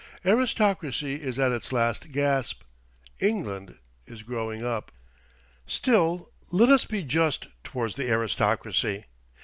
Aristocracy is at its last gasp; England is growing up. Still, let us be just towards the aristocracy.